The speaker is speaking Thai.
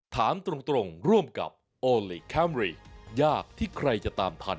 ถามตรงร่วมกับโอลี่คัมรี่ยากที่ใครจะตามทัน